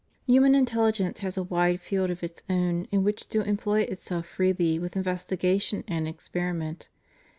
Human intelligence has a wide field of its own in which to employ itself freely with investigation and experiment.